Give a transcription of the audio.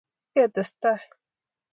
ketestai